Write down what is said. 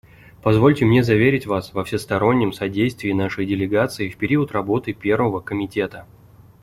Позвольте мне заверить Вас во всестороннем содействии нашей делегации в период работы Первого комитета.